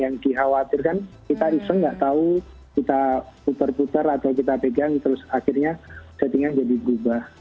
yang dikhawatirkan kita iseng nggak tahu kita putar putar atau kita pegang terus akhirnya settingnya jadi berubah